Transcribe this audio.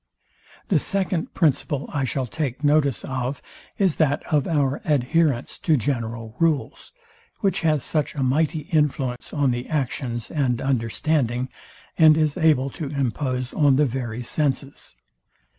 Book I. Part III. Sect. 15. The second principle I shall take notice of is that of our adherence to general rules; which has such a mighty influence on the actions and understanding, and is able to impose on the very senses.